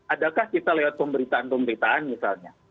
adakah kita lewat pemberitaan pemberitaan misalnya